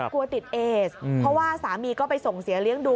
กลัวติดเอสเพราะว่าสามีก็ไปส่งเสียเลี้ยงดู